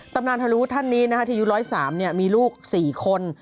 ตำนานธรรมฤทธิ์ท่านนี้นะครับที่ยุค๑๐๓เนี่ยมีลูก๔คน